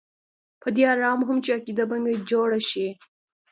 په دې ارمان وم چې عقیده به مې جوړه شي.